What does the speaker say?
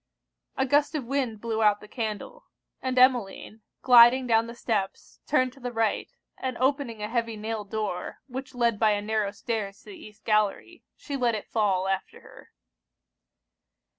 A gust of wind blew out the candle; and Emmeline, gliding down the steps, turned to the right, and opening a heavy nailed door, which led by a narrow stairs to the East gallery, she let it fall after her.